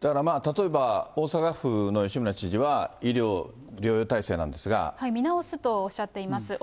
だからまあ、例えば大阪府の吉村知事は医療、療養体制なんで見直すとおっしゃっています。